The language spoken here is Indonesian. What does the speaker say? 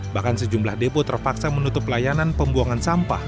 bahkan sejumlah depo terpaksa menutup layanan pembuangan sampah